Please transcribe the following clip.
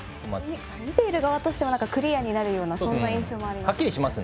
見ている側としてはクリアになるような印象がありますね。